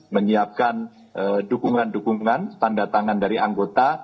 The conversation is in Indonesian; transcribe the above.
menyiapkan dukungan dukungan tanda tangan dari anggota